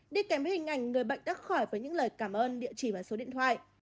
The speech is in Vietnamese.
đi kèm hình ảnh người bệnh đắc khỏi với những lời cảm ơn địa chỉ và số điện thoại